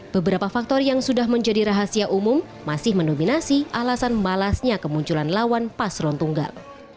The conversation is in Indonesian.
beberapa faktor yang sudah menjadi rahasia umum masih mendominasi alasan malasnya kemunculan lawan paslon tunggal